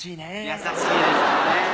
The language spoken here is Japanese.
優しいですよね。